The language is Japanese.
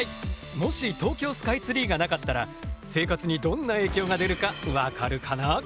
もし東京スカイツリーがなかったら生活にどんな影響が出るか分かるかな？